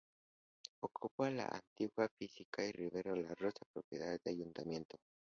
Ocupa la antigua finca y vivero "La Rosa", propiedad del ayuntamiento.